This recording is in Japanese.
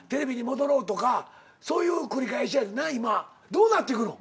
どうなっていくの？